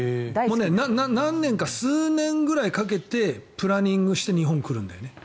何年か、数年ぐらいかけてプランニングして日本に来るんだよね。